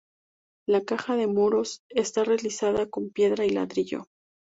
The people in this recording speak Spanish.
La caja de muros está realizada con piedra y ladrillo.